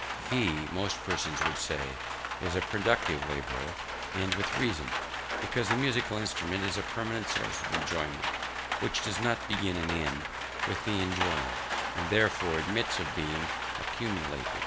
He, most persons would say, is a productive labourer; and with reason; because the musical instrument is a permanent source of enjoyment, which does not begin and end with the enjoying, and therefore admits of being accumulated.